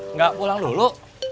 enggak pulang dulu